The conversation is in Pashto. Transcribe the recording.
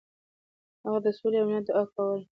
هغه د سولې او امنیت دعا کوله.